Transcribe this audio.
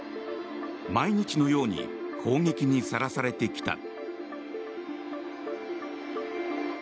毎日のように攻撃にさらされてきた。